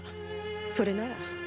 それなら。